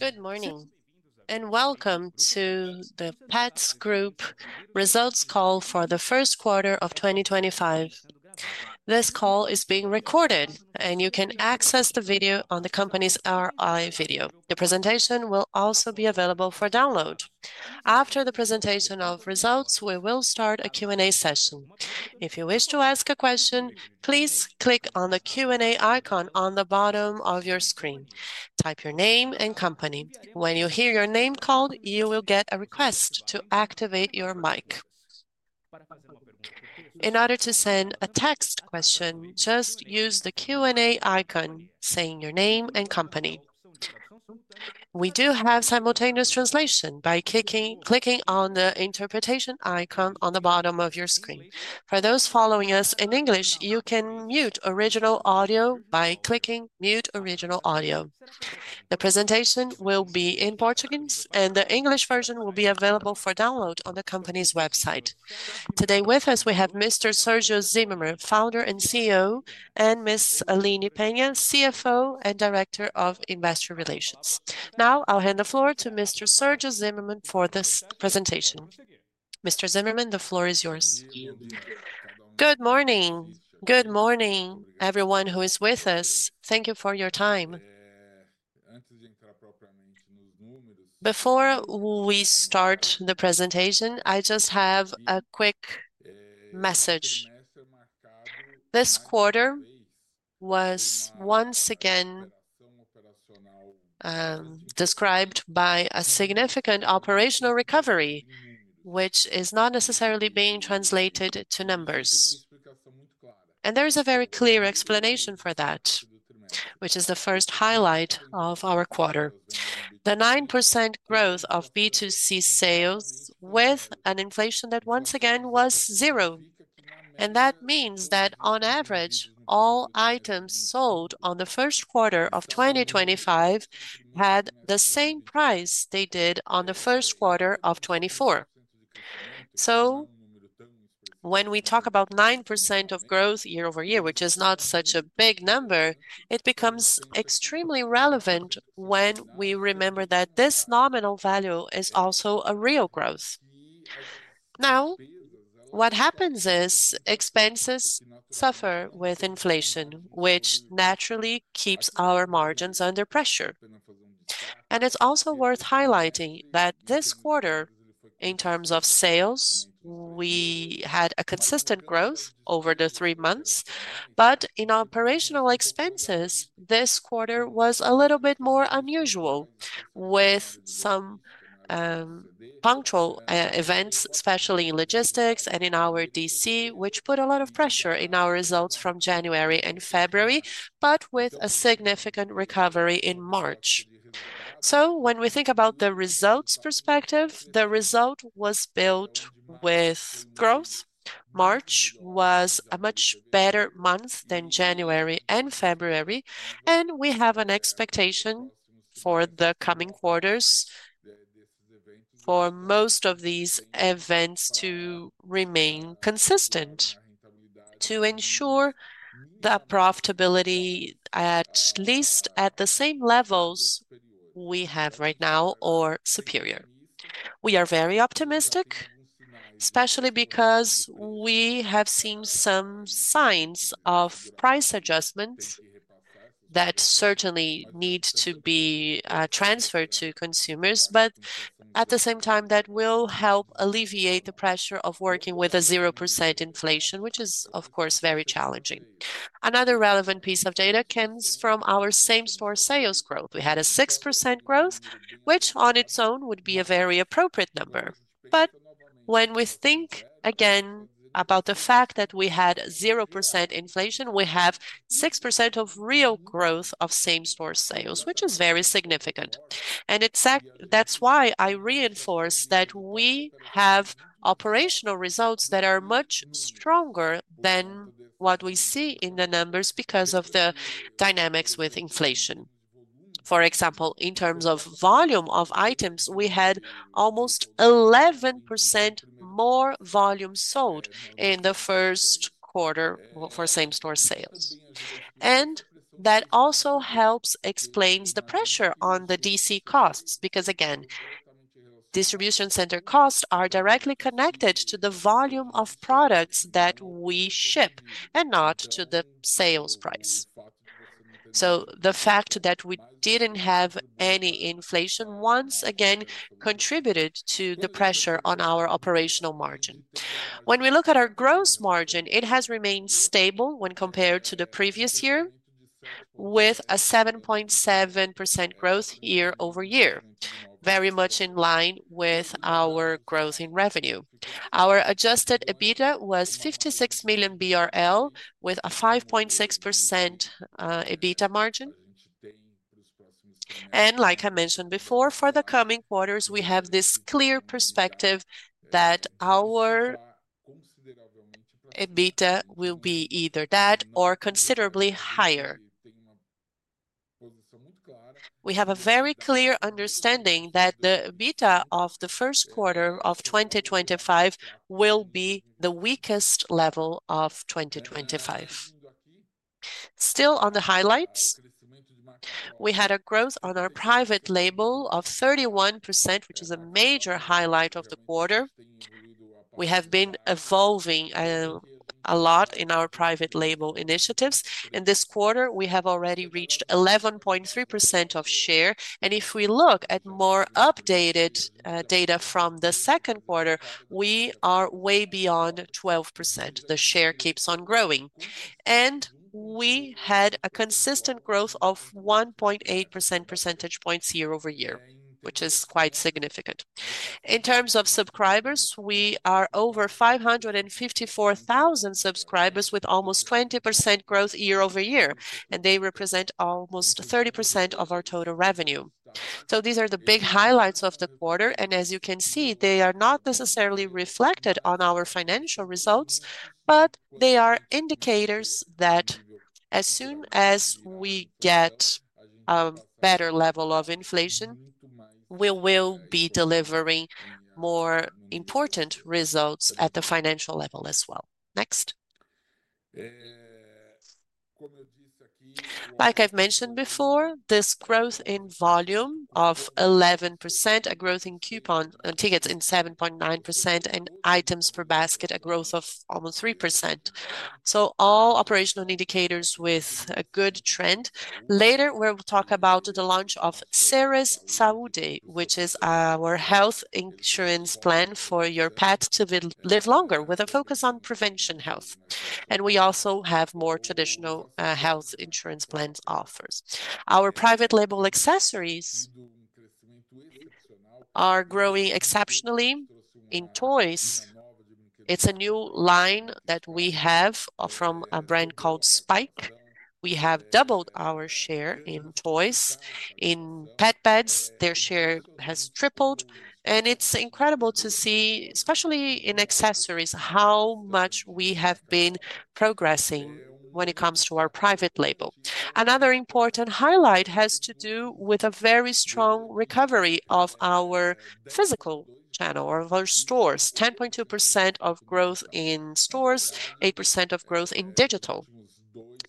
Good morning and welcome to the Petz Group Results Call for the First Quarter of 2025. This call is being recorded, and you can access the video on the company's RI video. The presentation will also be available for download. After the presentation of results, we will start a Q&A session. If you wish to ask a question, please click on the Q&A icon on the bottom of your screen. Type your name and company. When you hear your name called, you will get a request to activate your mic. In order to send a text question, just use the Q&A icon saying your name and company. We do have simultaneous translation by clicking on the interpretation icon on the bottom of your screen. For those following us in English, you can mute original audio by clicking "Mute original audio." The presentation will be in Portuguese, and the English version will be available for download on the company's website. Today with us, we have Mr. Sergio Zimerman, Founder and CEO, and Ms. Aline Penna, CFO and Director of investor relations. Now I'll hand the floor to Mr. Sergio Zimerman for this presentation. Mr. Zimerman, the floor is yours. Good morning. Good morning, everyone who is with us. Thank you for your time. Before we start the presentation, I just have a quick message. This quarter was once again described by a significant operational recovery, which is not necessarily being translated to numbers. There is a very clear explanation for that, which is the first highlight of our quarter: the 9% growth of B2C sales with an inflation that once again was zero. That means that on average, all items sold on the first quarter of 2025 had the same price they did on the first quarter of 2024. When we talk about 9% of growth year-over-year, which is not such a big number, it becomes extremely relevant when we remember that this nominal value is also a real growth. What happens is expenses suffer with inflation, which naturally keeps our margins under pressure. It is also worth highlighting that this quarter, in terms of sales, we had a consistent growth over the three months, but in operational expenses, this quarter was a little bit more unusual with some punctual events, especially in logistics and in our DC, which put a lot of pressure in our results from January and February, but with a significant recovery in March. When we think about the results perspective, the result was built with growth. March was a much better month than January and February, and we have an expectation for the coming quarters for most of these events to remain consistent to ensure the profitability, at least at the same levels we have right now or superior. We are very optimistic, especially because we have seen some signs of price adjustments that certainly need to be transferred to consumers, but at the same time, that will help alleviate the pressure of working with a 0% inflation, which is, of course, very challenging. Another relevant piece of data comes from our same-store sales growth. We had a 6% growth, which on its own would be a very appropriate number. When we think again about the fact that we had 0% inflation, we have 6% of real growth of same-store sales, which is very significant. That is why I reinforce that we have operational results that are much stronger than what we see in the numbers because of the dynamics with inflation. For example, in terms of volume of items, we had almost 11% more volume sold in the first quarter for same-store sales. That also helps explain the pressure on the DC costs because, again, distribution center costs are directly connected to the volume of products that we ship and not to the sales price. The fact that we did not have any inflation once again contributed to the pressure on our operational margin. When we look at our gross margin, it has remained stable when compared to the previous year, with a 7.7% growth year-over-year, very much in line with our growth in revenue. Our adjusted EBITDA was 56 million BRL with a 5.6% EBITDA margin. Like I mentioned before, for the coming quarters, we have this clear perspective that our EBITDA will be either that or considerably higher. We have a very clear understanding that the EBITDA of the first quarter of 2025 will be the weakest level of 2025. Still on the highlights, we had a growth on our private label of 31%, which is a major highlight of the quarter. We have been evolving a lot in our private label initiatives. In this quarter, we have already reached 11.3% of share. If we look at more updated data from the second quarter, we are way beyond 12%. The share keeps on growing. We had a consistent growth of 1.8% percentage points year-over-year, which is quite significant. In terms of subscribers, we are over 554,000 subscribers with almost 20% growth year-over-year, and they represent almost 30% of our total revenue. These are the big highlights of the quarter. As you can see, they are not necessarily reflected on our financial results, but they are indicators that as soon as we get a better level of inflation, we will be delivering more important results at the financial level as well. Next. Like I have mentioned before, this growth in volume of 11%, a growth in coupon tickets in 7.9%, and items per basket, a growth of almost 3%. All operational indicators with a good trend. Later, we will talk about the launch of Seres Saúde, which is our health insurance plan for your pet to live longer with a focus on prevention health. We also have more traditional health insurance plan offers. Our private label accessories are growing exceptionally in toys. It is a new line that we have from a brand called Spike. We have doubled our share in toys. In pet beds, their share has tripled. It is incredible to see, especially in accessories, how much we have been progressing when it comes to our private label. Another important highlight has to do with a very strong recovery of our physical channel or our stores: 10.2% of growth in stores, 8% of growth in digital.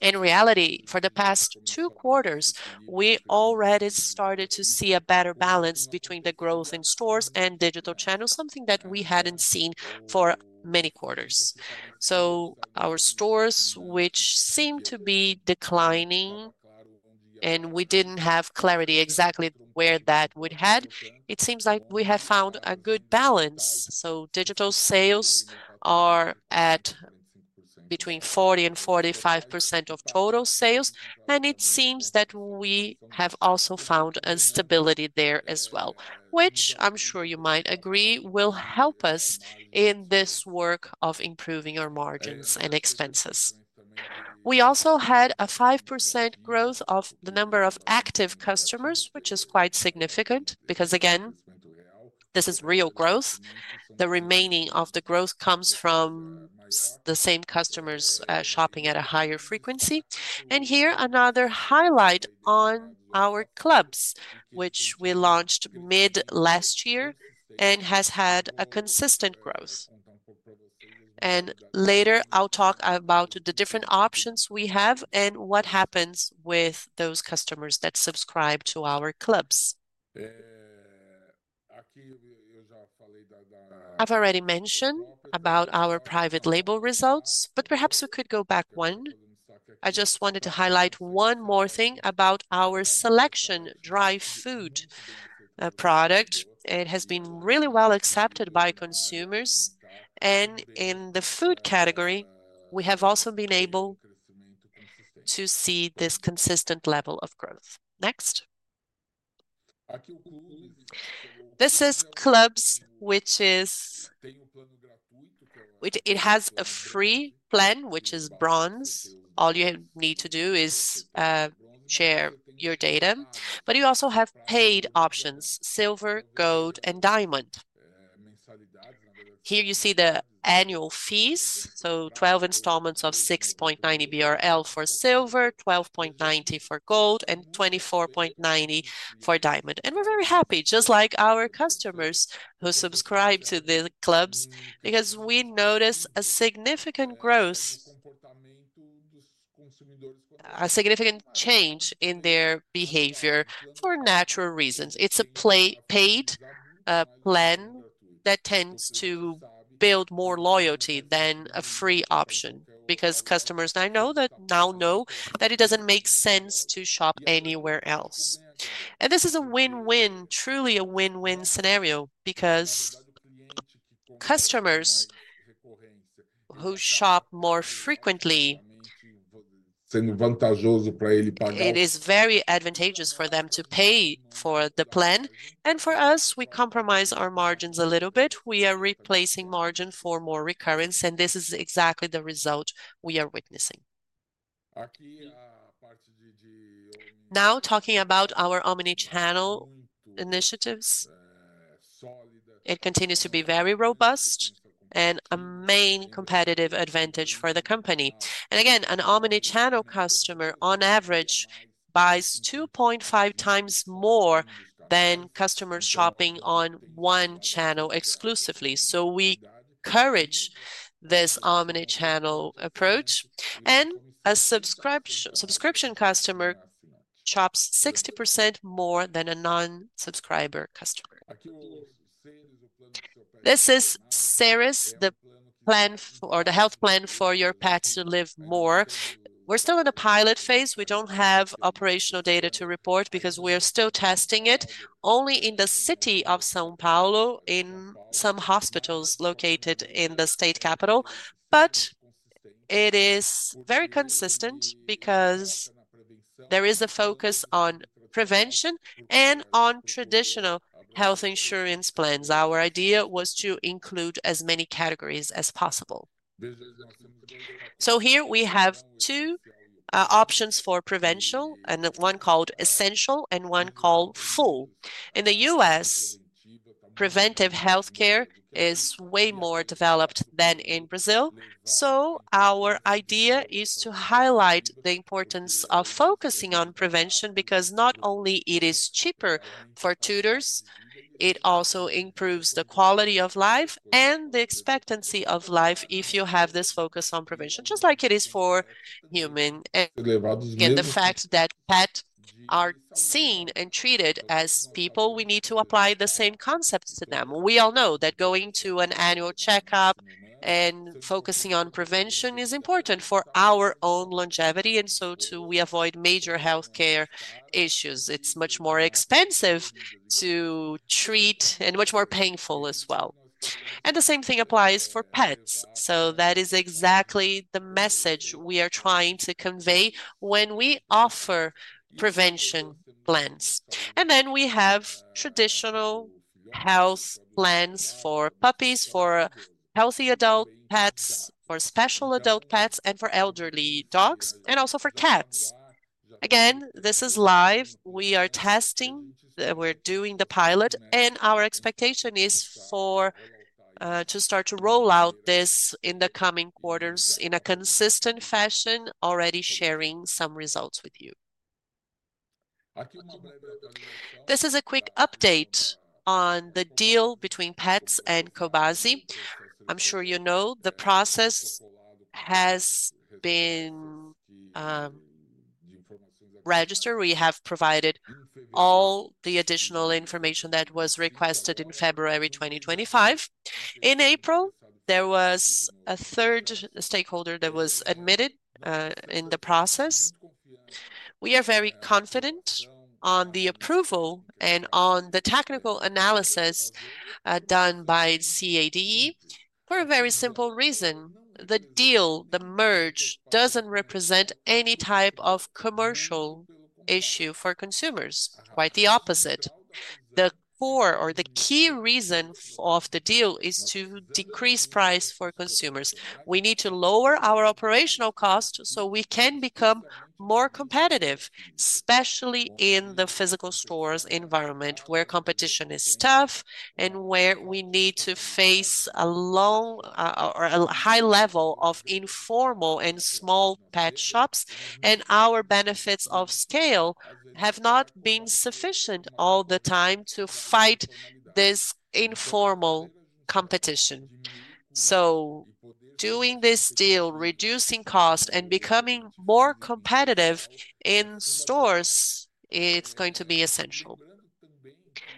In reality, for the past two quarters, we already started to see a better balance between the growth in stores and digital channels, something that we had not seen for many quarters. Our stores, which seemed to be declining, and we did not have clarity exactly where that would head, it seems like we have found a good balance. Digital sales are at between 40-45% of total sales. It seems that we have also found a stability there as well, which I am sure you might agree will help us in this work of improving our margins and expenses. We also had a 5% growth of the number of active customers, which is quite significant because, again, this is real growth. The remaining of the growth comes from the same customers shopping at a higher frequency. Here, another highlight on our clubs, which we launched mid-last year and has had a consistent growth. Later, I'll talk about the different options we have and what happens with those customers that subscribe to our clubs. I've already mentioned about our private label results, but perhaps we could go back one. I just wanted to highlight one more thing about our selection dry food product. It has been really well accepted by consumers. In the food category, we have also been able to see this consistent level of growth. Next. This is clubs, which is a free plan, which is bronze. All you need to do is share your data. You also have paid options: Silver, Gold, and Diamond. Here you see the annual fees. 12 installments of 6.90 BRL for Silver, 12.90 for Gold, and 24.90 for Diamond. We are very happy, just like our customers who subscribe to the clubs, because we notice significant growth, a significant change in their behavior for natural reasons. It is a paid plan that tends to build more loyalty than a free option because customers now know that it does not make sense to shop anywhere else. This is a win-win, truly a win-win scenario because customers who shop more frequently, it is very advantageous for them to pay for the plan. For us, we compromise our margins a little bit. We are replacing margin for more recurrence, and this is exactly the result we are witnessing. Now, talking about our omni-channel initiatives, it continues to be very robust and a main competitive advantage for the company. An omni-channel customer, on average, buys 2.5 times more than customers shopping on one channel exclusively. We encourage this omni-channel approach. A subscription customer shops 60% more than a non-subscriber customer. This is Seres, the plan or the health plan for your pets to live more. We're still in the pilot phase. We don't have operational data to report because we are still testing it only in the city of São Paulo, in some hospitals located in the state capital. It is very consistent because there is a focus on prevention and on traditional health insurance plans. Our idea was to include as many categories as possible. Here we have two options for prevention, one called essential and one called full. In the U.S., preventive healthcare is way more developed than in Brazil. Our idea is to highlight the importance of focusing on prevention because not only is it cheaper for tutors, it also improves the quality of life and the expectancy of life if you have this focus on prevention, just like it is for humans. The fact that pet are seen and treated as people, we need to apply the same concepts to them. We all know that going to an annual checkup and focusing on prevention is important for our own longevity, and so too we avoid major healthcare issues. It is much more expensive to treat and much more painful as well. The same thing applies for pets. That is exactly the message we are trying to convey when we offer prevention plans. We have traditional health plans for puppies, for healthy adult pets, for special adult pets, and for elderly dogs, and also for cats. Again, this is live. We are testing. We're doing the pilot. Our expectation is to start to roll out this in the coming quarters in a consistent fashion, already sharing some results with you. This is a quick update on the deal between Petz and Cobasi. I'm sure you know the process has been registered. We have provided all the additional information that was requested in February 2025. In April, there was a third stakeholder that was admitted in the process. We are very confident on the approval and on the technical analysis done by CADE for a very simple reason. The deal, the merge, doesn't represent any type of commercial issue for consumers. Quite the opposite. The core or the key reason of the deal is to decrease price for consumers. We need to lower our operational costs so we can become more competitive, especially in the physical stores environment where competition is tough and where we need to face a high level of informal and small pet shops. Our benefits of scale have not been sufficient all the time to fight this informal competition. Doing this deal, reducing cost, and becoming more competitive in stores, it's going to be essential.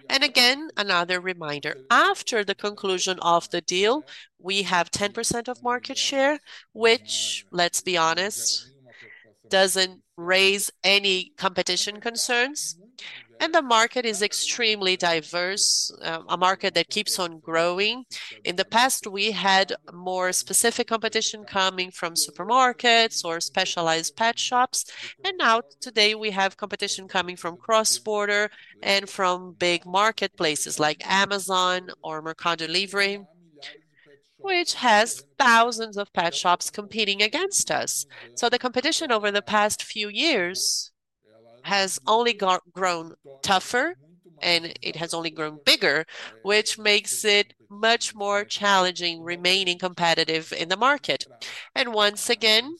Again, another reminder. After the conclusion of the deal, we have 10% of market share, which, let's be honest, doesn't raise any competition concerns. The market is extremely diverse, a market that keeps on growing. In the past, we had more specific competition coming from supermarkets or specialized pet shops. Today, we have competition coming from cross-border and from big marketplaces like Amazon or Mercado Livre, which has thousands of pet shops competing against us. The competition over the past few years has only grown tougher, and it has only grown bigger, which makes it much more challenging remaining competitive in the market. Once again,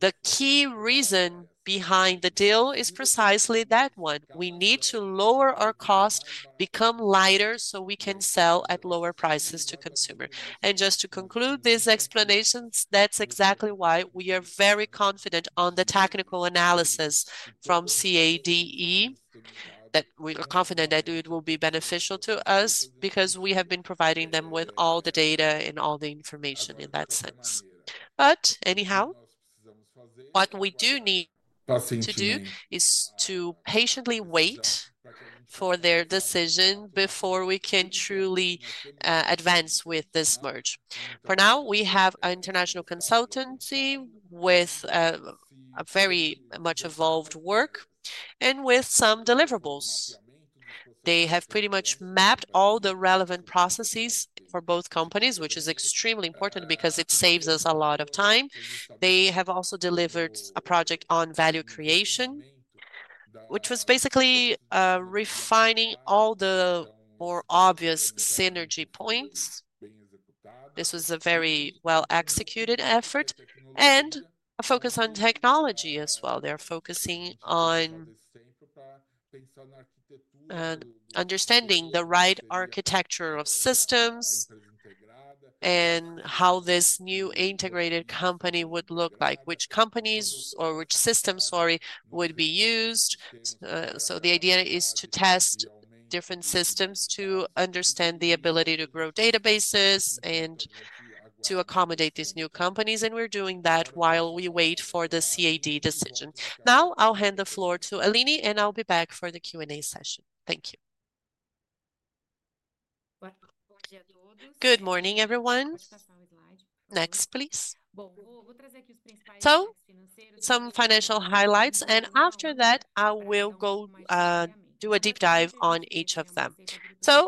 the key reason behind the deal is precisely that one. We need to lower our cost, become lighter so we can sell at lower prices to consumers. Just to conclude these explanations, that's exactly why we are very confident on the technical analysis from CADE, that we are confident that it will be beneficial to us because we have been providing them with all the data and all the information in that sense. Anyhow, what we do need to do is to patiently wait for their decision before we can truly advance with this merge. For now, we have an international consultancy with very much evolved work and with some deliverables. They have pretty much mapped all the relevant processes for both companies, which is extremely important because it saves us a lot of time. They have also delivered a project on value creation, which was basically refining all the more obvious synergy points. This was a very well-executed effort and a focus on technology as well. They are focusing on understanding the right architecture of systems and how this new integrated company would look like, which companies or which systems, sorry, would be used. The idea is to test different systems to understand the ability to grow databases and to accommodate these new companies. We are doing that while we wait for the CAD decision. I will hand the floor to Aline, and I will be back for the Q&A session. Thank you. Good morning, everyone. Next, please. Some financial highlights. After that, I will go do a deep dive on each of them.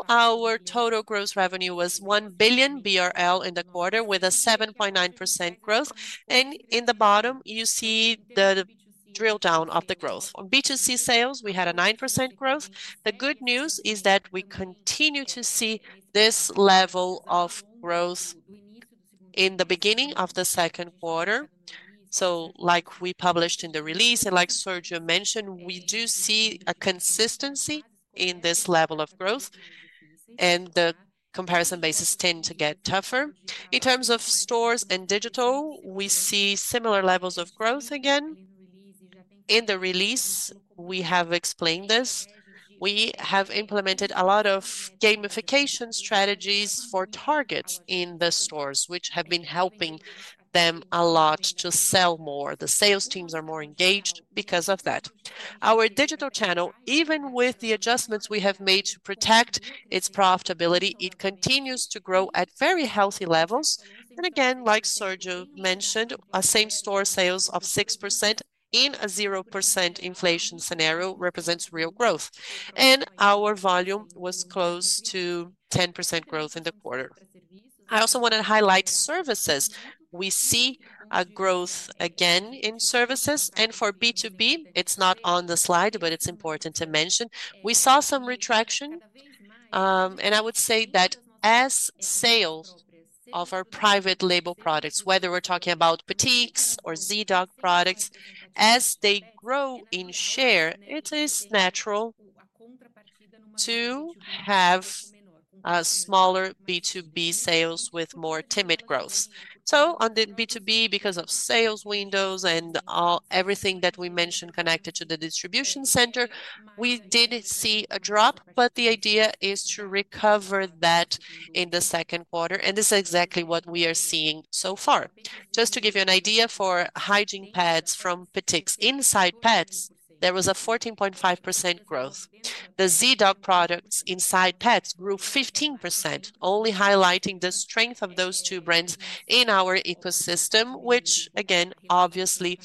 Our total gross revenue was 1 billion BRL in the quarter with a 7.9% growth. At the bottom, you see the drill down of the growth. On B2C sales, we had a 9% growth. The good news is that we continue to see this level of growth in the beginning of the second quarter. Like we published in the release, and like Sergio mentioned, we do see a consistency in this level of growth. The comparison bases tend to get tougher. In terms of stores and digital, we see similar levels of growth again. In the release, we have explained this. We have implemented a lot of gamification strategies for targets in the stores, which have been helping them a lot to sell more. The sales teams are more engaged because of that. Our digital channel, even with the adjustments we have made to protect its profitability, continues to grow at very healthy levels. Like Sergio mentioned, a same-store sales of 6% in a 0% inflation scenario represents real growth. Our volume was close to 10% growth in the quarter. I also want to highlight services. We see a growth again in services. For B2B, it is not on the slide, but it is important to mention. We saw some retraction. I would say that as sales of our private label products, whether we're talking about Boutiques or ZDOC products, as they grow in share, it is natural to have smaller B2B sales with more timid growth. On the B2B, because of sales windows and everything that we mentioned connected to the distribution center, we did see a drop, but the idea is to recover that in the second quarter. This is exactly what we are seeing so far. Just to give you an idea, for hygiene pads from Boutiques, inside Petz, there was a 14.5% growth. The ZDOC products inside Petz grew 15%, only highlighting the strength of those two brands in our ecosystem, which again, obviously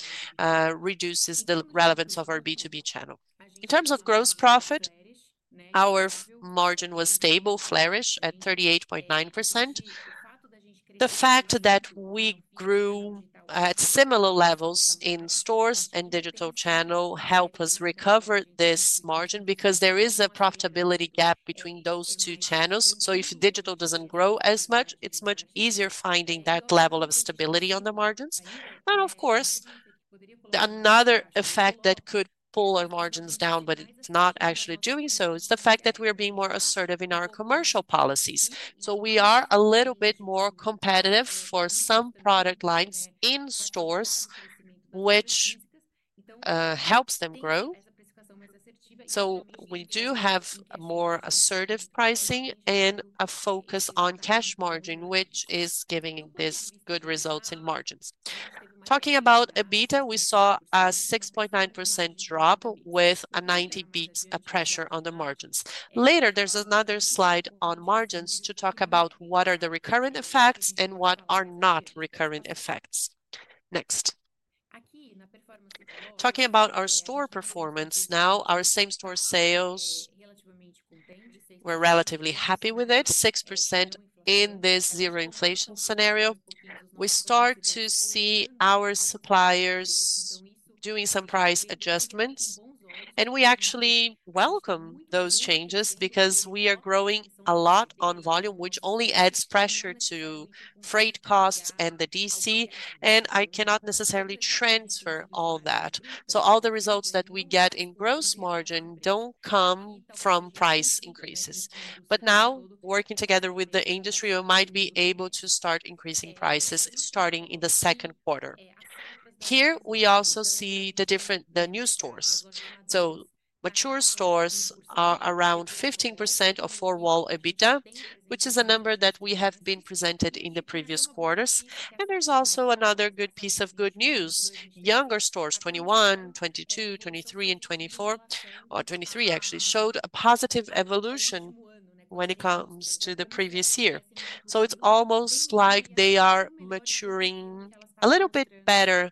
reduces the relevance of our B2B channel. In terms of gross profit, our margin was stable, flourished at 38.9%. The fact that we grew at similar levels in stores and digital channel helped us recover this margin because there is a profitability gap between those two channels. If digital does not grow as much, it is much easier finding that level of stability on the margins. Of course, another effect that could pull our margins down, but it is not actually doing so, is the fact that we are being more assertive in our commercial policies. We are a little bit more competitive for some product lines in stores, which helps them grow. We do have more assertive pricing and a focus on cash margin, which is giving this good results in margins. Talking about EBITDA, we saw a 6.9% drop with a 90 BP of pressure on the margins. Later, there's another slide on margins to talk about what are the recurrent effects and what are not recurrent effects. Next. Talking about our store performance now, our same store sales, we're relatively happy with it, 6% in this zero inflation scenario. We start to see our suppliers doing some price adjustments. We actually welcome those changes because we are growing a lot on volume, which only adds pressure to freight costs and the DC. I cannot necessarily transfer all that. All the results that we get in gross margin do not come from price increases. Now, working together with the industry, we might be able to start increasing prices starting in the second quarter. Here, we also see the new stores. Mature stores are around 15% of four-wall EBITDA, which is a number that we have been presented in the previous quarters. There is also another good piece of good news. Younger stores, 21, 22, 23, and 24, or 23 actually showed a positive evolution when it comes to the previous year. It is almost like they are maturing a little bit better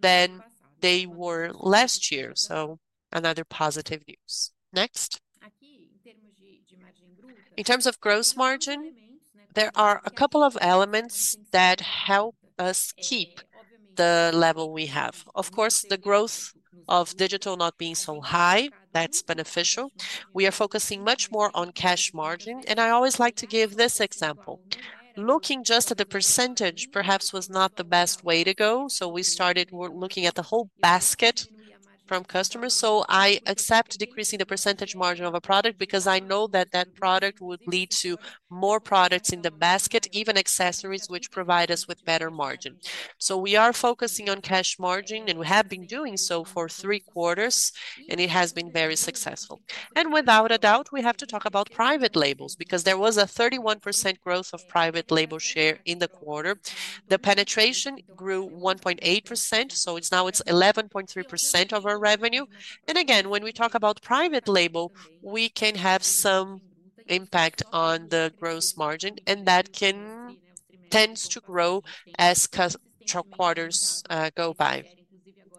than they were last year. Another positive news. Next. In terms of gross margin, there are a couple of elements that help us keep the level we have. Of course, the growth of digital not being so high, that is beneficial. We are focusing much more on cash margin. I always like to give this example. Looking just at the percentage, perhaps was not the best way to go. We started looking at the whole basket from customers. I accept decreasing the percentage margin of a product because I know that that product would lead to more products in the basket, even accessories, which provide us with better margin. We are focusing on cash margin, and we have been doing so for three quarters, and it has been very successful. Without a doubt, we have to talk about private labels because there was a 31% growth of private label share in the quarter. The penetration grew 1.8%. Now it is 11.3% of our revenue. Again, when we talk about private label, we can have some impact on the gross margin, and that tends to grow as quarters go by.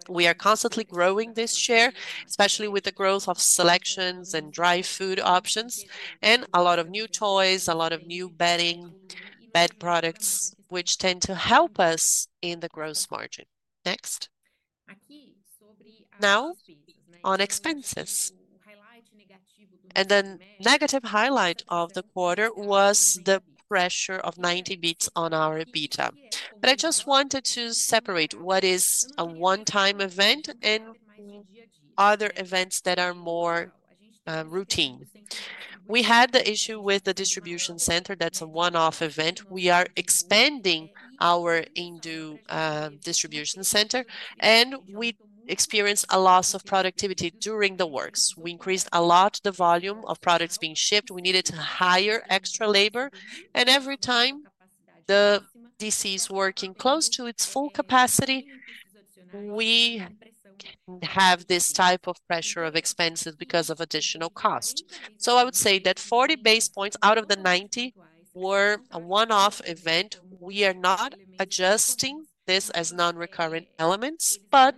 We are constantly growing this share, especially with the growth of selections and dry food options, and a lot of new toys, a lot of new bedding, bed products, which tend to help us in the gross margin. Next. Now, on expenses, the negative highlight of the quarter was the pressure of 90 BPs on our EBITDA. I just wanted to separate what is a one-time event and other events that are more routine. We had the issue with the distribution center. That is a one-off event. We are expanding our Indu distribution center, and we experienced a loss of productivity during the works. We increased a lot the volume of products being shipped. We needed to hire extra labor. Every time the DC is working close to its full capacity, we have this type of pressure of expenses because of additional cost. I would say that 40 basis points out of the 90 were a one-off event. We are not adjusting this as non-recurrent elements, but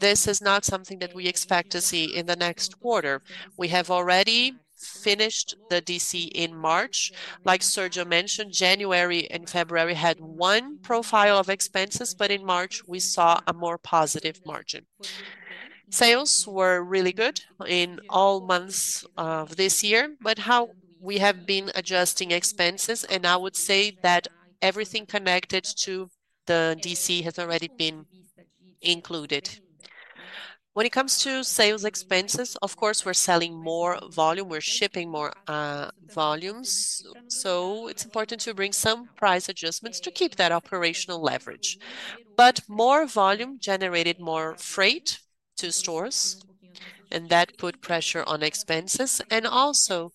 this is not something that we expect to see in the next quarter. We have already finished the DC in March. Like Sergio mentioned, January and February had one profile of expenses, but in March, we saw a more positive margin. Sales were really good in all months of this year, but how we have been adjusting expenses, and I would say that everything connected to the DC has already been included. When it comes to sales expenses, of course, we're selling more volume. We're shipping more volumes. It is important to bring some price adjustments to keep that operational leverage. More volume generated more freight to stores, and that put pressure on expenses. Also,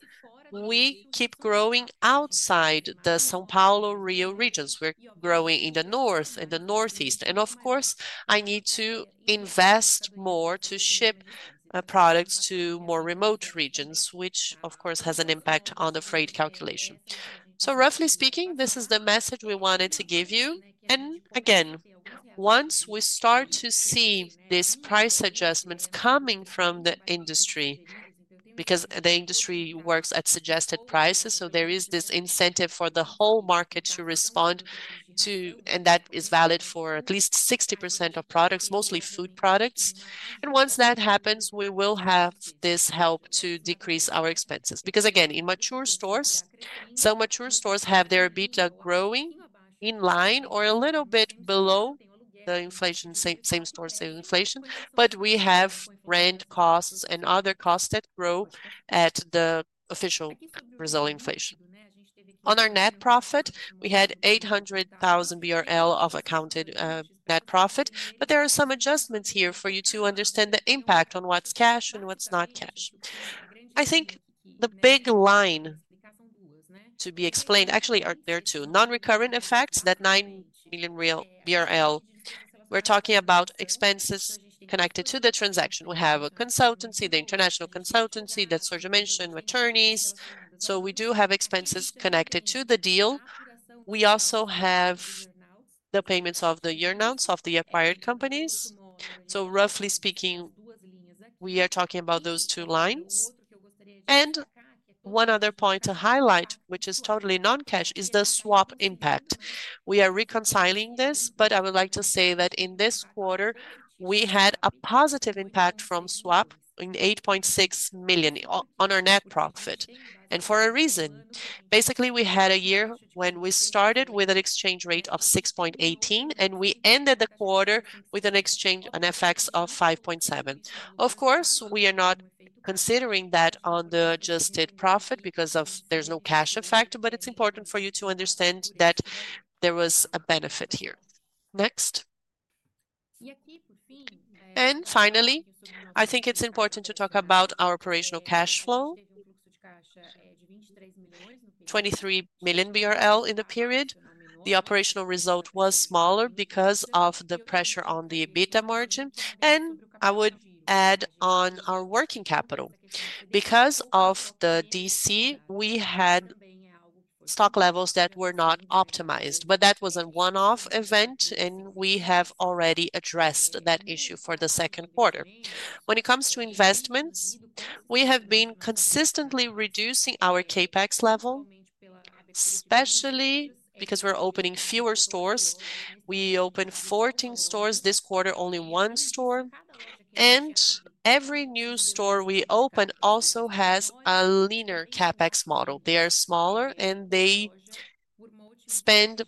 we keep growing outside the São Paulo-Rio regions. We're growing in the North and the Northeast. Of course, I need to invest more to ship products to more remote regions, which of course has an impact on the freight calculation. Roughly speaking, this is the message we wanted to give you. Again, once we start to see these price adjustments coming from the industry, because the industry works at suggested prices, there is this incentive for the whole market to respond to, and that is valid for at least 60% of products, mostly food products. Once that happens, we will have this help to decrease our expenses. Again, in mature stores, some mature stores have their EBITDA growing in line or a little bit below the inflation, same-store inflation, but we have rent costs and other costs that grow at the official Brazil inflation. On our net profit, we had 800,000 BRL of accounted net profit, but there are some adjustments here for you to understand the impact on what's cash and what's not cash. I think the big line to be explained actually are there too. Non-recurrent effects, that 9 million real. We're talking about expenses connected to the transaction. We have a consultancy, the international consultancy that Sergio mentioned, attorneys. We do have expenses connected to the deal. We also have the payments of the year-rounds of the acquired companies. Roughly speaking, we are talking about those two lines. One other point to highlight, which is totally non-cash, is the swap impact. We are reconciling this, but I would like to say that in this quarter, we had a positive impact from swap in 8.6 million on our net profit. For a reason. Basically, we had a year when we started with an exchange rate of 6.18, and we ended the quarter with an exchange, an FX of 5.7. Of course, we are not considering that on the adjusted profit because there's no cash effect, but it's important for you to understand that there was a benefit here. Next. Finally, I think it's important to talk about our operational cash flow, 23 million BRL in the period. The operational result was smaller because of the pressure on the EBITDA margin. I would add on our working capital. Because of the DC, we had stock levels that were not optimized, but that was a one-off event, and we have already addressed that issue for the second quarter. When it comes to investments, we have been consistently reducing our CapEx level, especially because we're opening fewer stores. We opened 14 stores this quarter, only one store. Every new store we open also has a leaner CapEx model. They are smaller, and they spend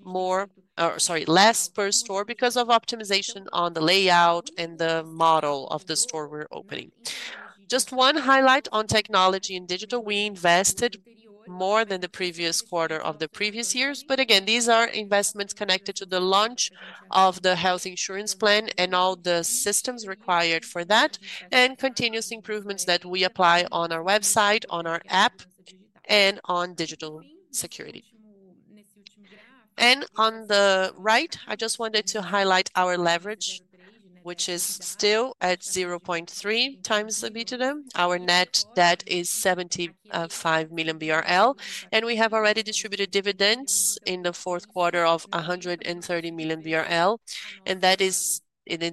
less per store because of optimization on the layout and the model of the store we are opening. Just one highlight on technology and digital. We invested more than the previous quarter of the previous years. These are investments connected to the launch of the health insurance plan and all the systems required for that, and continuous improvements that we apply on our website, on our app, and on digital security. On the right, I just wanted to highlight our leverage, which is still at 0.3 times EBITDA. Our net debt is 75 million BRL. We have already distributed dividends in the fourth quarter of 130 million BRL.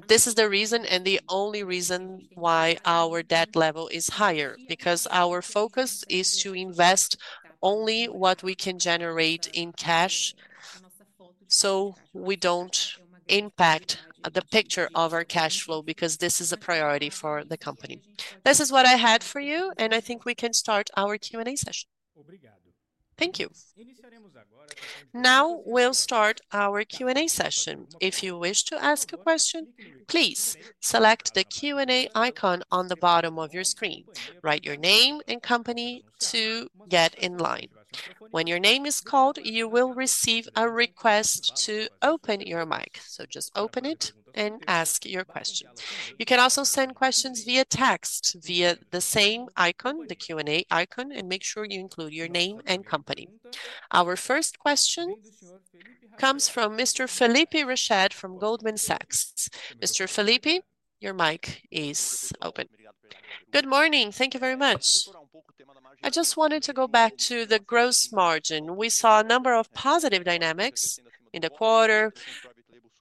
This is the reason and the only reason why our debt level is higher, because our focus is to invest only what we can generate in cash so we do not impact the picture of our cash flow, because this is a priority for the company. This is what I had for you, and I think we can start our Q&A session. Thank you. Now we will start our Q&A session. If you wish to ask a question, please select the Q&A icon on the bottom of your screen. Write your name and company to get in line. When your name is called, you will receive a request to open your mic. Just open it and ask your question. You can also send questions via text via the same icon, the Q&A icon, and make sure you include your name and company. Our first question comes from Mr. Felipe Rached from Goldman Sachs. Mr. Felipe your mic is open. Good morning. Thank you very much. I just wanted to go back to the gross margin. We saw a number of positive dynamics in the quarter,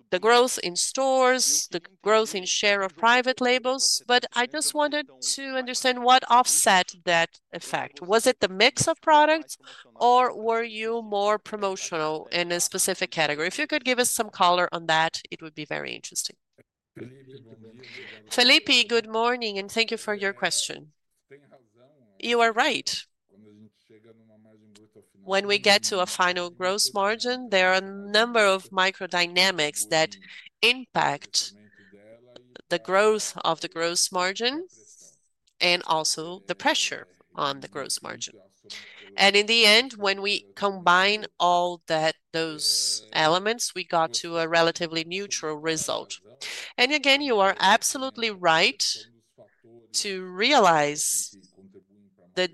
the growth in stores, the growth in share of private labels. I just wanted to understand what offset that effect. Was it the mix of products, or were you more promotional in a specific category? If you could give us some color on that, it would be very interesting. Felipe, good morning, and thank you for your question. You are right. When we get to a final gross margin, there are a number of micro dynamics that impact the growth of the gross margin and also the pressure on the gross margin. In the end, when we combine all those elements, we got to a relatively neutral result. You are absolutely right to realize the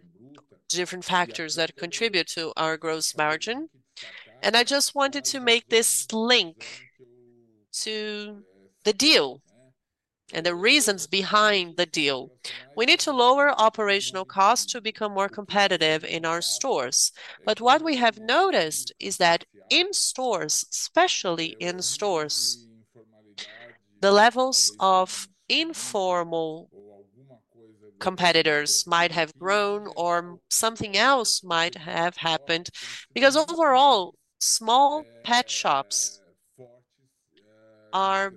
different factors that contribute to our gross margin. I just wanted to make this link to the deal and the reasons behind the deal. We need to lower operational costs to become more competitive in our stores. What we have noticed is that in stores, especially in stores, the levels of informal competitors might have grown or something else might have happened. Overall, small pet shops are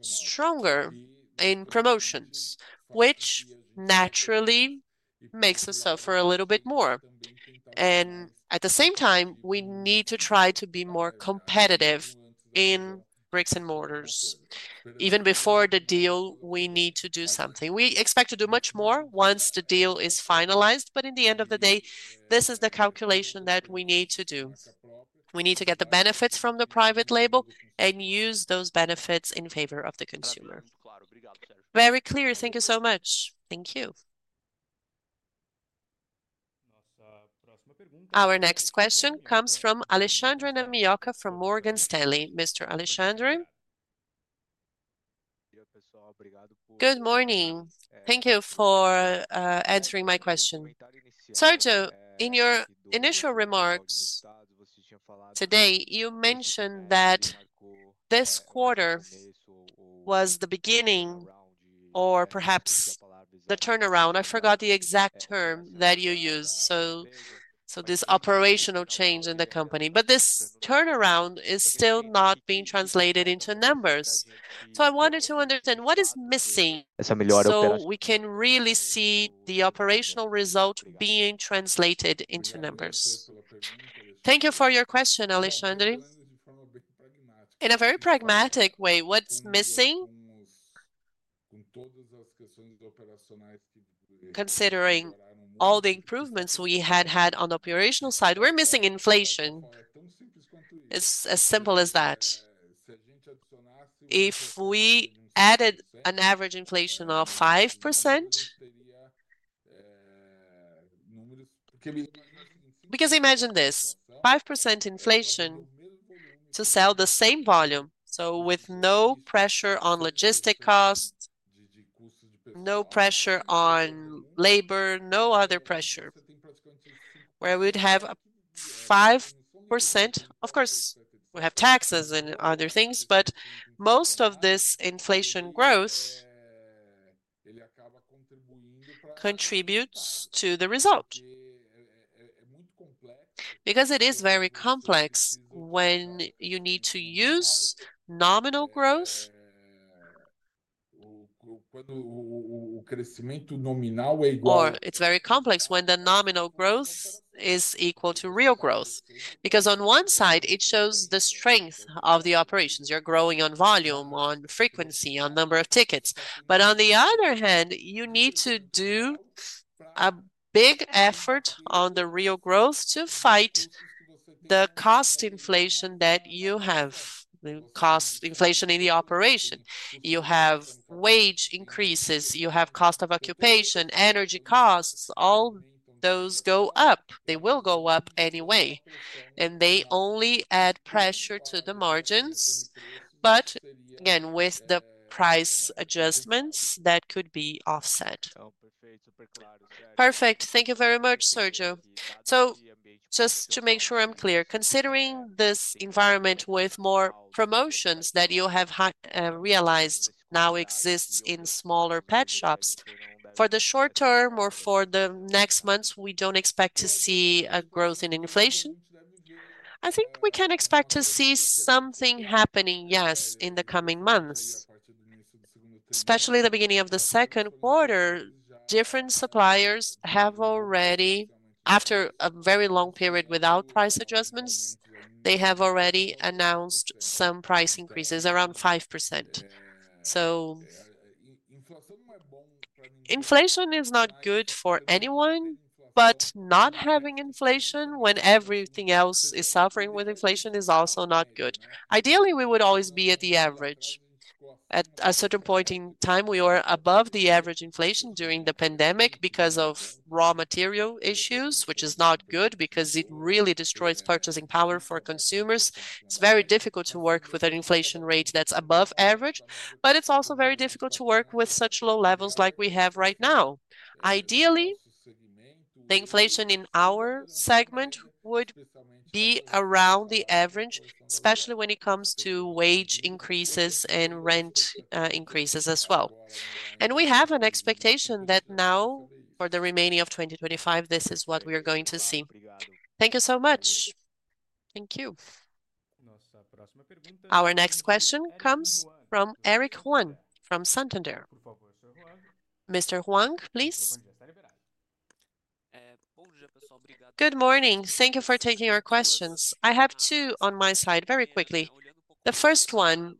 stronger in promotions, which naturally makes us suffer a little bit more. At the same time, we need to try to be more competitive in bricks and mortars. Even before the deal, we need to do something. We expect to do much more once the deal is finalized, but in the end of the day, this is the calculation that we need to do. We need to get the benefits from the private label and use those benefits in favor of the consumer. Very clear. Thank you so much. Thank you. Our next question comes from Alexandre Namioka from Morgan Stanley. Mr. Alexandre. Good morning. Thank you for answering my question. Sergio, in your initial remarks today, you mentioned that this quarter was the beginning or perhaps the turnaround. I forgot the exact term that you used. This operational change in the company. This turnaround is still not being translated into numbers. I wanted to understand what is missing so we can really see the operational result being translated into numbers. Thank you for your question, Alexandre. In a very pragmatic way, what is missing considering all the improvements we had had on the operational side? We are missing inflation. It is as simple as that. If we added an average inflation of 5%, because imagine this, 5% inflation to sell the same volume, with no pressure on logistic costs, no pressure on labor, no other pressure, we would have a 5%. Of course, we have taxes and other things, but most of this inflation growth contributes to the result. It is very complex when you need to use nominal growth, or it is very complex when the nominal growth is equal to real growth. On one side, it shows the strength of the operations. You are growing on volume, on frequency, on number of tickets. On the other hand, you need to do a big effort on the real growth to fight the cost inflation that you have, the cost inflation in the operation. You have wage increases, you have cost of occupation, energy costs. All those go up. They will go up anyway. They only add pressure to the margins. Again, with the price adjustments, that could be offset. Perfect. Thank you very much, Sergio.Just to make sure I'm clear, considering this environment with more promotions that you have realized now exists in smaller pet shops, for the short term or for the next months, we don't expect to see a growth in inflation? I think we can expect to see something happening, yes, in the coming months, especially the beginning of the second quarter. Different suppliers have already, after a very long period without price adjustments, announced some price increases around 5%. Inflation is not good for anyone, but not having inflation when everything else is suffering with inflation is also not good. Ideally, we would always be at the average. At a certain point in time, we were above the average inflation during the pandemic because of raw material issues, which is not good because it really destroys purchasing power for consumers. It's very difficult to work with an inflation rate that's above average, but it's also very difficult to work with such low levels like we have right now. Ideally, the inflation in our segment would be around the average, especially when it comes to wage increases and rent increases as well. We have an expectation that now, for the remaining of 2025, this is what we are going to see. Thank you so much. Thank you. Our next question comes from Eric Huang from Santander. Mr. Huang, please. Good morning. Thank you for taking our questions. I have two on my side. Very quickly. The first one,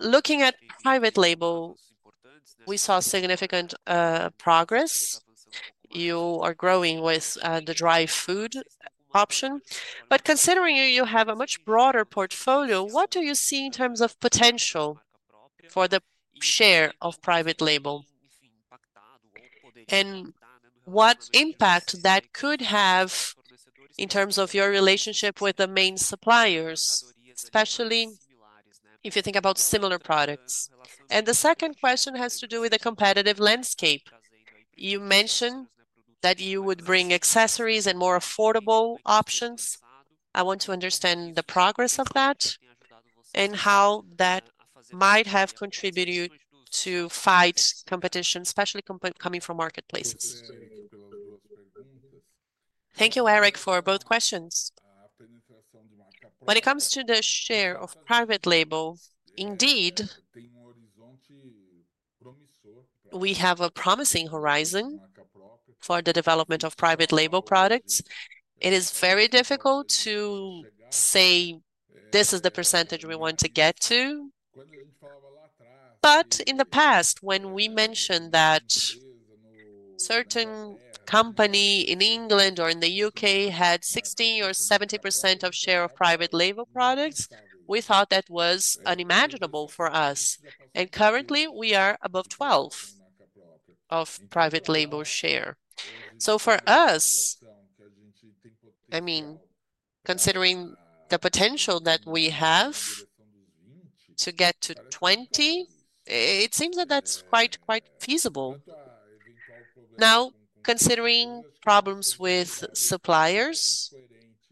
looking at private label, we saw significant progress. You are growing with the dry food option. But considering you have a much broader portfolio, what do you see in terms of potential for the share of private label? And what impact that could have in terms of your relationship with the main suppliers, especially if you think about similar products? The second question has to do with the competitive landscape. You mentioned that you would bring accessories and more affordable options. I want to understand the progress of that and how that might have contributed to fight competition, especially coming from marketplaces. Thank you, Eric, for both questions. When it comes to the share of private label, indeed, we have a promising horizon for the development of private label products. It is very difficult to say this is the percentage we want to get to. In the past, when we mentioned that a certain company in the England or in U.K. had 60% or 70% of share of private label products, we thought that was unimaginable for us. Currently, we are above 12% of private label share. For us, I mean, considering the potential that we have to get to 20%, it seems that that's quite, quite feasible. Now, considering problems with suppliers,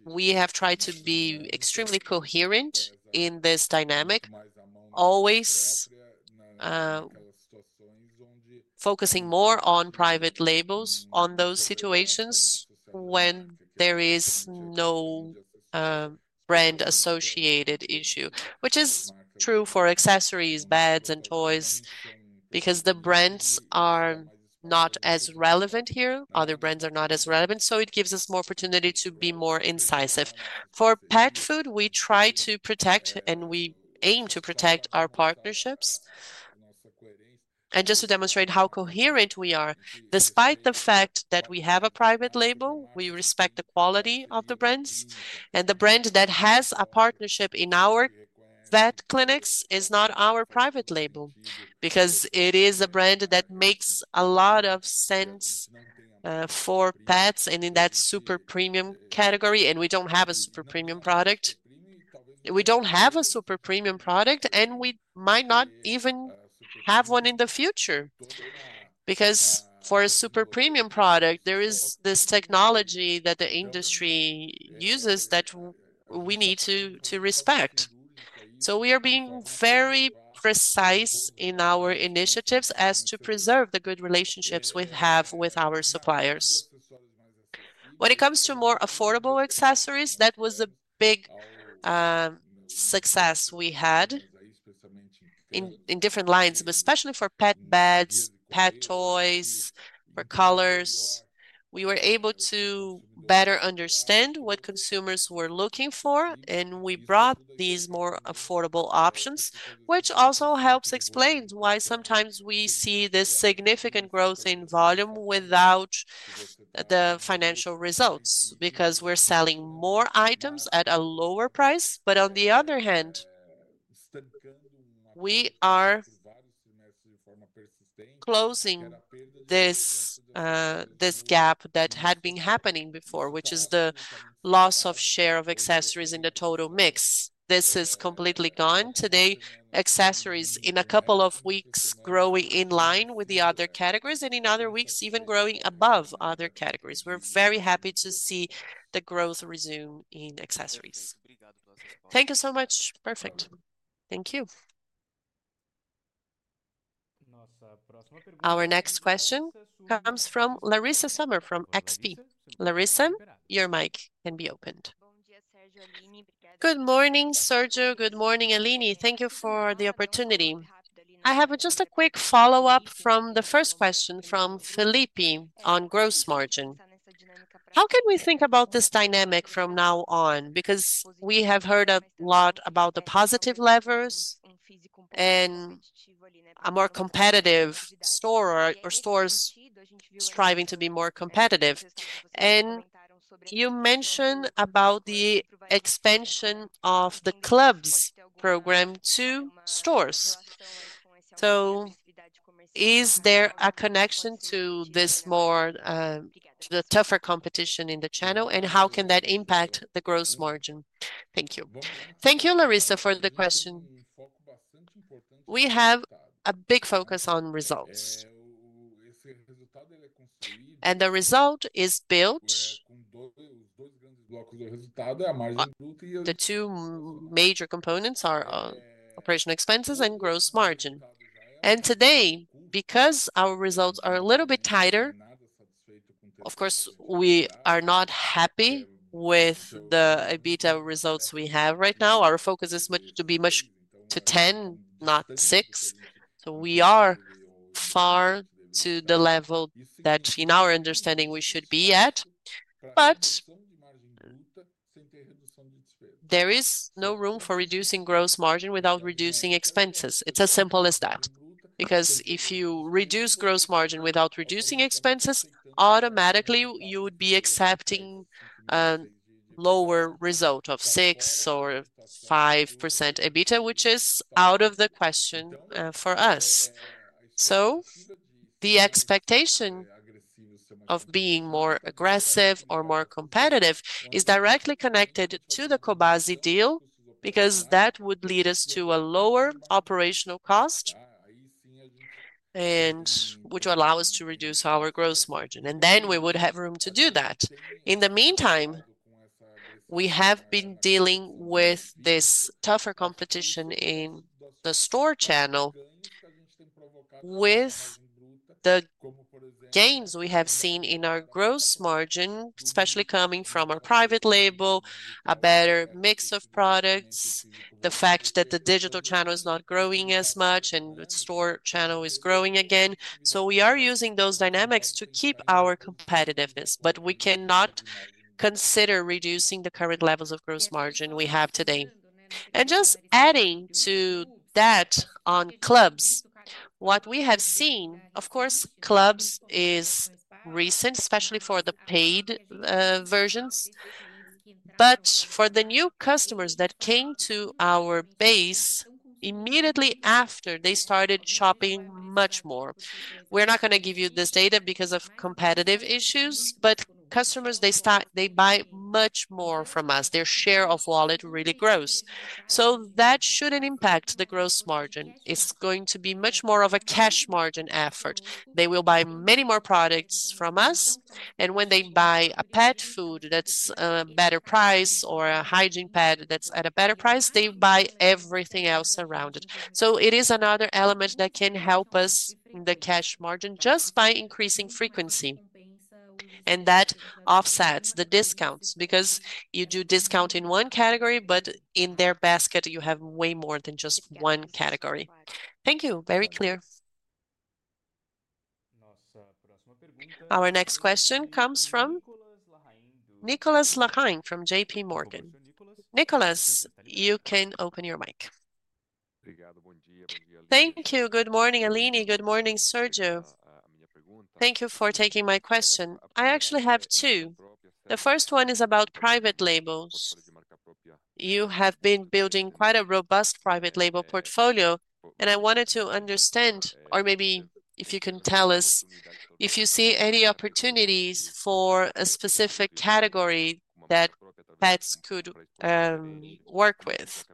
we have tried to be extremely coherent in this dynamic, always focusing more on private labels on those situations when there is no brand-associated issue, which is true for accessories, beds, and toys, because the brands are not as relevant here. Other brands are not as relevant. It gives us more opportunity to be more incisive. For pet food, we try to protect, and we aim to protect our partnerships. Just to demonstrate how coherent we are, despite the fact that we have a private label, we respect the quality of the brands. The brand that has a partnership in our vet clinics is not our private label, because it is a brand that makes a lot of sense for pets and in that super premium category. We do not have a super premium product, and we might not even have one in the future. For a super premium product, there is this technology that the industry uses that we need to respect. We are being very precise in our initiatives to preserve the good relationships we have with our suppliers. When it comes to more affordable accessories, that was a big success we had in different lines, but especially for pet beds, pet toys, for collars. We were able to better understand what consumers were looking for, and we brought these more affordable options, which also helps explain why sometimes we see this significant growth in volume without the financial results, because we're selling more items at a lower price. On the other hand, we are closing this gap that had been happening before, which is the loss of share of accessories in the total mix. This is completely gone. Today, accessories in a couple of weeks growing in line with the other categories, and in other weeks, even growing above other categories. We're very happy to see the growth resume in accessories. Thank you so much. Perfect. Thank you. Our next question comes from Laryssa Sumer from XP. Laryssa, your mic can be opened. Good morning, Sergio. Good morning, Aline. Thank you for the opportunity. I have just a quick follow-up from the first question from Felipe on gross margin. How can we think about this dynamic from now on? Because we have heard a lot about the positive levers and a more competitive store or stores striving to be more competitive. You mentioned about the expansion of the Clubs program to stores. Is there a connection to this more to the tougher competition in the channel? How can that impact the gross margin? Thank you. Thank you, Laryssa, for the question. We have a big focus on results. The result is built. The two major components are operational expenses and gross margin. Today, because our results are a little bit tighter, of course, we are not happy with the EBITDA results we have right now. Our focus is to be much to 10, not six. We are far to the level that in our understanding we should be at. There is no room for reducing gross margin without reducing expenses. It is as simple as that. Because if you reduce gross margin without reducing expenses, automatically you would be accepting a lower result of 6% or 5% EBITDA, which is out of the question for us. The expectation of being more aggressive or more competitive is directly connected to the Cobasi deal, because that would lead us to a lower operational cost, which would allow us to reduce our gross margin. Then we would have room to do that. In the meantime, we have been dealing with this tougher competition in the store channel with the gains we have seen in our gross margin, especially coming from our private label, a better mix of products, the fact that the digital channel is not growing as much, and the store channel is growing again. We are using those dynamics to keep our competitiveness, but we cannot consider reducing the current levels of gross margin we have today. Just adding to that on clubs, what we have seen, of course, clubs is recent, especially for the paid versions. For the new customers that came to our base immediately after they started shopping much more, we're not going to give you this data because of competitive issues, but customers, they buy much more from us. Their share of wallet really grows. That should not impact the gross margin. It's going to be much more of a cash margin effort. They will buy many more products from us. And when they buy a pet food that's a better price or a hygiene pad that's at a better price, they buy everything else around it. It is another element that can help us in the cash margin just by increasing frequency. That offsets the discounts because you do discount in one category, but in their basket, you have way more than just one category. Thank you. Very clear. Our next question comes from Nicolás Larrain from JPMorgan. Nicolás, you can open your mic. Thank you. Good morning, Aline. Good morning, Sergio. Thank you for taking my question. I actually have two. The first one is about private labels. You have been building quite a robust private label portfolio, and I wanted to understand, or maybe if you can tell us if you see any opportunities for a specific category that Petz could work with.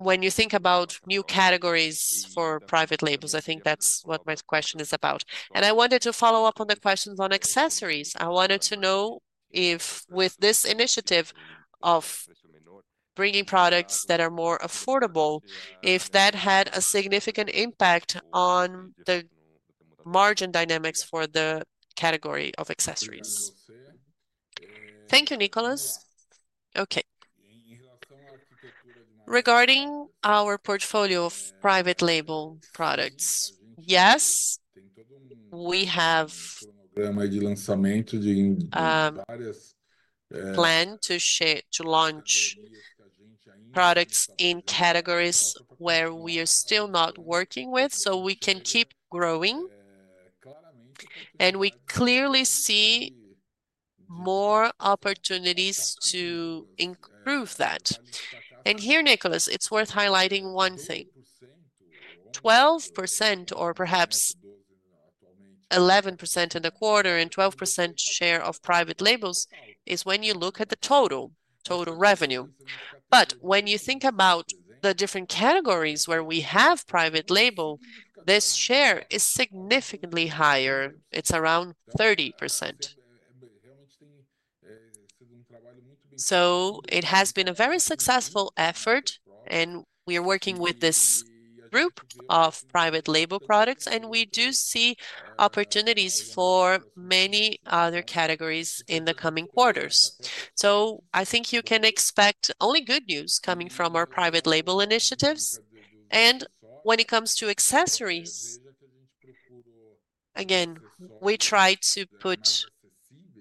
When you think about new categories for private labels, I think that's what my question is about. I wanted to follow up on the questions on accessories. I wanted to know if with this initiative of bringing products that are more affordable, if that had a significant impact on the margin dynamics for the category of accessories. Thank you, Nicolás. Okay. Regarding our portfolio of private label products, yes, we have planned to launch products in categories where we are still not working with, so we can keep growing. We clearly see more opportunities to improve that. Here, Nicolás, it's worth highlighting one thing. 12% or perhaps 11% and a quarter and 12% share of private labels is when you look at the total total revenue. But when you think about the different categories where we have private label, this share is significantly higher. It's around 30%. It has been a very successful effort, and we are working with this group of private label products, and we do see opportunities for many other categories in the coming quarters. I think you can expect only good news coming from our private label initiatives. When it comes to accessories, again, we try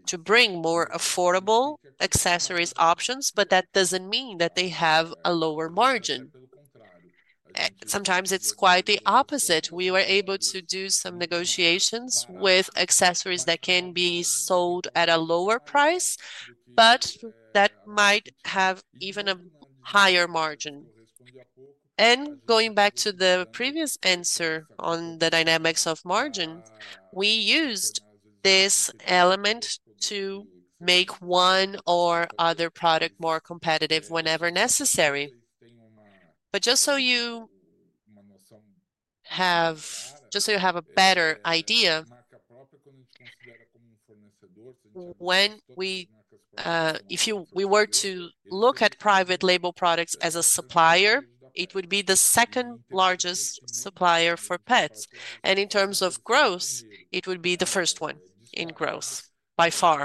to bring more affordable accessories options, but that doesn't mean that they have a lower margin. Sometimes it's quite the opposite. We were able to do some negotiations with accessories that can be sold at a lower price, but that might have even a higher margin. Going back to the previous answer on the dynamics of margin, we used this element to make one or other product more competitive whenever necessary. Just so you have a better idea, when we were to look at private label products as a supplier, it would be the second largest supplier for Petz. In terms of growth, it would be the first one in growth by far.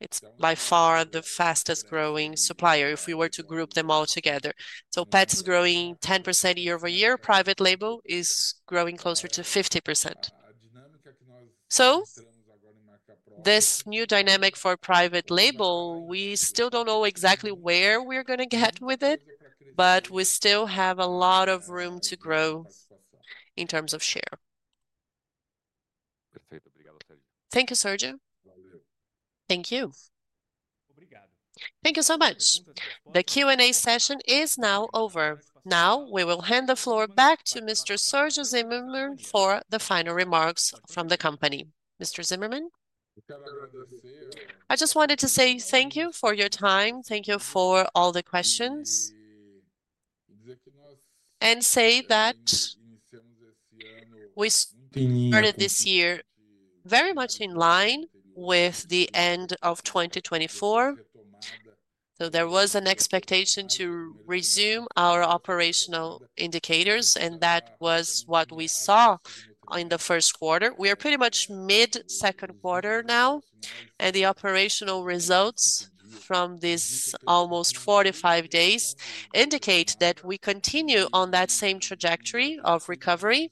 It is by far the fastest growing supplier if we were to group them all together. Petz is growing 10% year-over-year. Private label is growing closer to 50%. This new dynamic for private label, we still do not know exactly where we are going to get with it, but we still have a lot of room to grow in terms of share. Thank you, Sergio. Thank you. Thank you so much. The Q&A session is now over. Now we will hand the floor back to Mr. Sergio Zimerman for the final remarks from the company. Mr. Zimerman, I just wanted to say thank you for your time. Thank you for all the questions. I want to say that we started this year very much in line with the end of 2024. There was an expectation to resume our operational indicators, and that was what we saw in the first quarter. We are pretty much mid-second quarter now, and the operational results from this almost 45 days indicate that we continue on that same trajectory of recovery,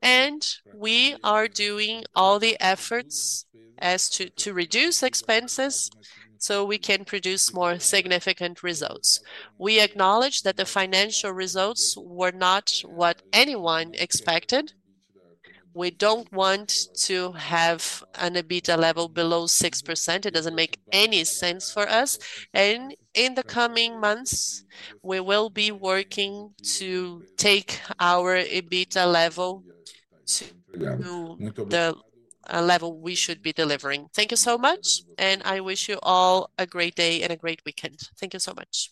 and we are doing all the efforts as to reduce expenses so we can produce more significant results. We acknowledge that the financial results were not what anyone expected. We do not want to have an EBITDA level below 6%. It does not make any sense for us. In the coming months, we will be working to take our EBITDA level to the level we should be delivering. Thank you so much, and I wish you all a great day and a great weekend. Thank you so much.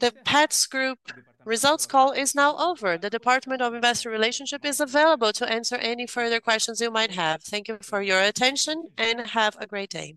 The Petz Group results call is now over. The department of investor relations is available to answer any further questions you might have. Thank you for your attention and have a great day.